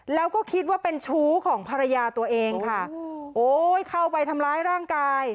แล้วก็คิดว่าเป็นชู้ของภรรยาตัวเองค่ะโอ้ยเข้าไปทำร้ายร่างกาย